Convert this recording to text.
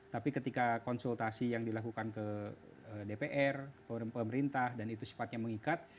tapi ketika konsultasi yang dilakukan ke dpr ke pemerintah dan itu sifatnya mengikat